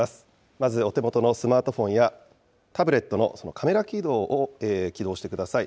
まずお手元のスマートフォンやタブレットのカメラ機能を起動してください。